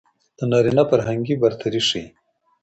د نارينه فرهنګي برتري ښيي.